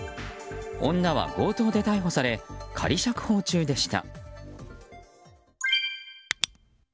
女は強盗で逮捕され仮釈放中でした。